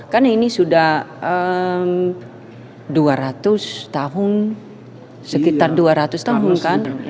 karena ini sudah dua ratus tahun sekitar dua ratus tahun kan